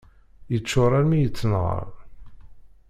Yeččur almi yettenɣal.